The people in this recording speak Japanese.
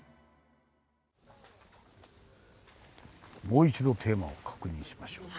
もう一度テーマを確認しましょう。